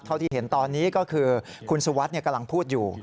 เท่าที่เห็นตอนนี้ก็คือคุณสุวัสดิ์กำลังพูดอยู่